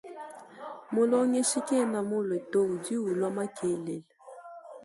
Mulongeshi kena mulue to udi ulua makelela.